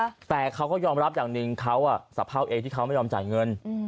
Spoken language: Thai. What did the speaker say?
แต่เขาก็ยอมรับอย่างหนึ่งเขาอ่ะสะเภาเองที่เขาไม่ยอมจ่ายเงินอืม